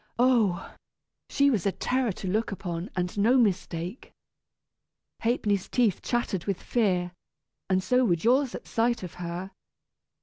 Oh! she was a terror to look upon, and no mistake! Ha'penny's teeth chattered with fear, and so would yours at sight of her!